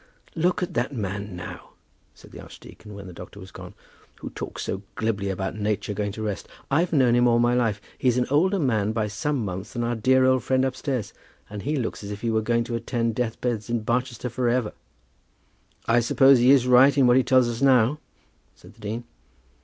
"Look at that man, now," said the archdeacon, when the doctor had gone, "who talks so glibly about nature going to rest. I've known him all my life. He's an older man by some months than our dear old friend upstairs. And he looks as if he were going to attend death beds in Barchester for ever." "I suppose he is right in what he tells us now?" said the dean.